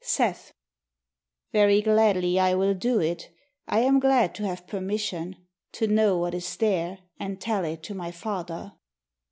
Seth Very gladly I will do it; I am glad to have permission To know what is there And tell it to my father.